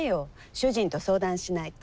主人と相談しないと。